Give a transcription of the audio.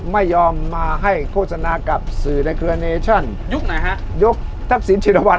ไม่ยอมมาให้โฆษณากับสื่อยุคหน่อยฮะยุคทักษิตชินวัฒน์